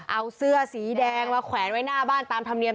เอาเสื้อสีแดงมาแขวนไว้หน้าบ้านตามธรรมเนียม